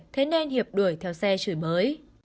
thế nên hiệp đuổi theo xe chửi bới